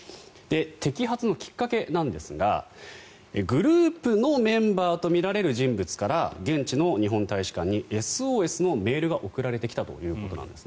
摘発のきっかけなんですがグループのメンバーとみられる人物から現地の日本大使館にＳＯＳのメールが送られてきたということです。